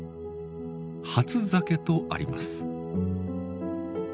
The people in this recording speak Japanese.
「初鮭」とあります。